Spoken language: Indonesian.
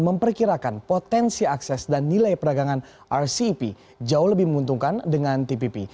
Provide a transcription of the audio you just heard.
memperkirakan potensi akses dan nilai perdagangan rcep jauh lebih menguntungkan dengan tpp